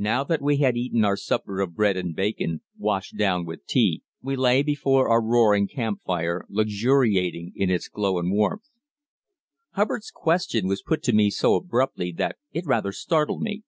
Now that we had eaten our supper of bread and bacon, washed down with tea, we lay before our roaring campfire, luxuriating in its glow and warmth. Hubbard's question was put to me so abruptly that it rather startled me.